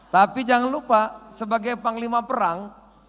tapi jangan lupa sebagai panglima perang